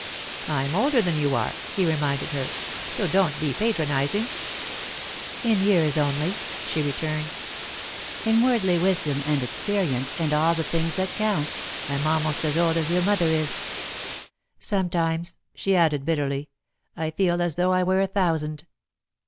"I'm older than you are," he reminded her, "so don't be patronising." "In years only," she returned. "In worldly wisdom and experience and all the things that count, I'm almost as old as your mother is. Sometimes," she added, bitterly, "I feel as though I were a thousand."